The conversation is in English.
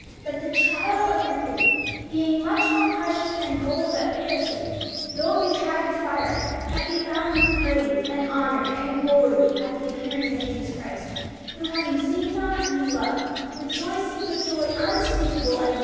That the trial of your faith, being much more precious than gold that perisheth, though it be tried with fire, might be found with praise and honor and glory at the appearing of Jesus Christ ; whom having not seen, ye love, rejoicing with joy unspeakable and * Strangers, i.